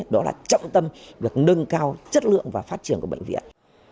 đó là trọng tâm việc nâng cao chất lượng và phát triển của bệnh viện